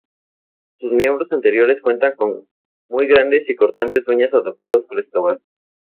Sus miembros anteriores cuentan con muy grandes y cortantes uñas, adaptadas para excavar.